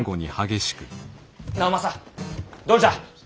直政どうじゃ？